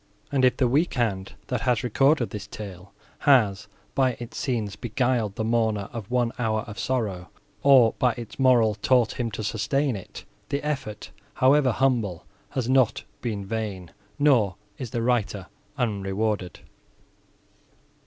And, if the weak hand, that has recorded this tale, has, by its scenes, beguiled the mourner of one hour of sorrow, or, by its moral, taught him to sustain it—the effort, however humble, has not been vain, nor is the writer unrewarded.